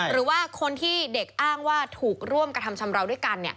หรือว่าคนที่เด็กอ้างว่าถูกร่วมกระทำชำราวด้วยกัน